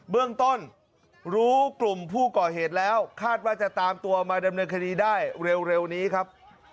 เบื้องต้นรู้กลุ่มผู้ก่อเหตุแล้วคาดว่าจะตามตัวมาดำเนินคดีได้เร็วนี้ครับ